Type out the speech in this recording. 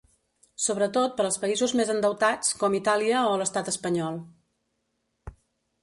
Sobretot, per als països més endeutats, com Itàlia o l’estat espanyol.